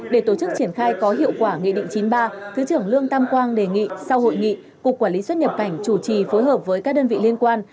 để tổ chức triển khai có hiệu quả nghị định chín mươi ba thứ trưởng lương tam quang đề nghị sau hội nghị cục quản lý xuất nhập cảnh chủ trì phối hợp với các đơn vị liên quan